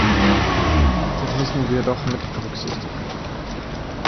Das müssen wir doch mit berücksichtigen.